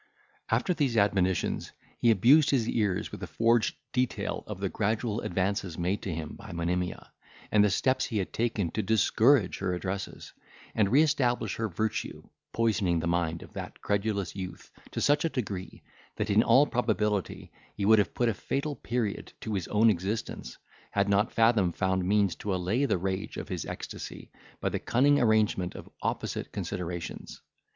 After these admonitions he abused his ears with a forged detail of the gradual advances made to him by Monimia, and the steps he had taken to discourage her addresses, and re establish her virtue, poisoning the mind of that credulous youth to such a degree, that, in all probability, he would have put a fatal period to his own existence, had not Fathom found means to allay the rage of his ecstasy, by the cunning arrangement of opposite considerations.